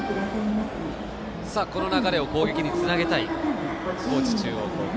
この流れを攻撃につなげたい高知中央高校。